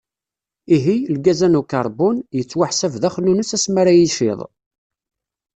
Ihi, lgaz-a n ukarbun, yettwaḥsab d axnunnes asmi ara yiciḍ.